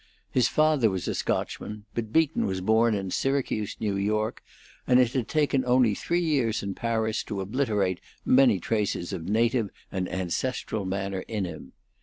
His father was a Scotchman, but Beaton was born in Syracuse, New York, and it had taken only three years in Paris to obliterate many traces of native and ancestral manner in him.